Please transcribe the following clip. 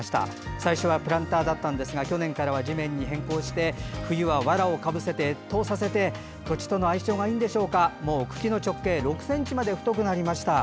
最初はプランターだったんですが去年から地面に変更して冬はわらをかぶせて越冬させて土地との相性もいいのでしょうかもう茎の直径が６ｃｍまで太くなりました。